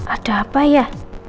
ada apa ya